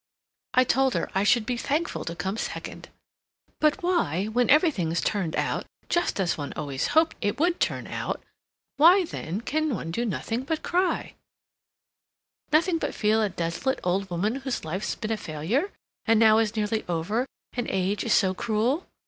I told her I should be thankful to come second. But why, when everything's turned out just as one always hoped it would turn out, why then can one do nothing but cry, nothing but feel a desolate old woman whose life's been a failure, and now is nearly over, and age is so cruel?